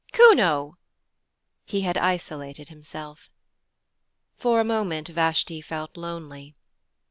'Kuno!' He had isolated himself. For a moment Vashti felt lonely.